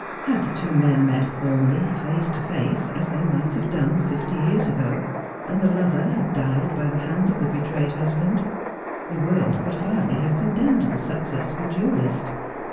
Had the two men met formally face to face, as they might have done fifty years ago, and the lover had died by the hand of the betrayed husband, the world could hardly have condemned the successful duellist.